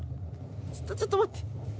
ちょっと待って。